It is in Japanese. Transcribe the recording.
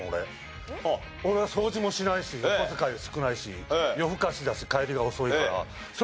俺は掃除もしないしお小遣いは少ないし夜更かしだし帰りが遅いから。